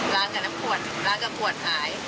กับน้ำขวดล้างกับขวดขาย